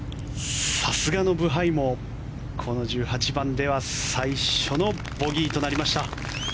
さすがのブハイもこの１８番では最初のボギーとなりました。